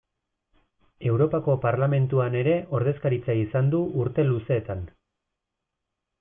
Europako Parlamentuan ere ordezkaritza izan du urte luzeetan.